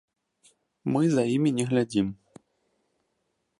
Мы за імі не глядзім.